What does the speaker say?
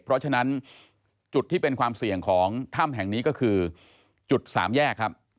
เพราะฉะนั้นจุดที่เป็นความเสี่ยงของถ้ำแห่งนี้ก็คือจุดสามแยกครับ